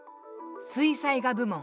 水彩画部門。